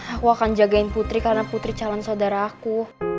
aku akan jagain putri karena putri calon saudara aku